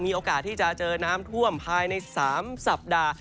มีโอกาสที่จะเจอน้ำท่วมภายใน๓สัปดาห์